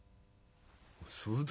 そうだ。